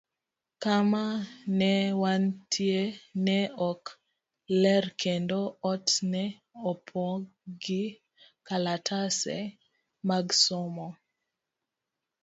Kama ne wantie ne ok ler, kendo ot ne opong' gi kalatese mag somo.